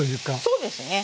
そうですねはい。